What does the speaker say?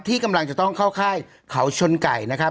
ที่กำลังจะต้องเข้าค่ายเขาชนไก่นะครับ